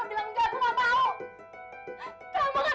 enggak sekali aku bilang enggak aku nggak mau